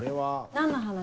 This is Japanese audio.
何の話？